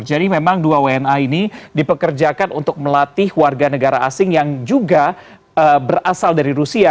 jadi memang dua wna ini dipekerjakan untuk melatih warga negara asing yang juga berasal dari rusia